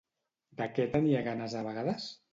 De què tenia ganes a vegades?